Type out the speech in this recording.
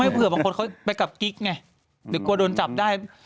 เผื่อเผ่าคนเขาไปกับกิ๊กไงเดี๋ยวก่วาโดนจับได้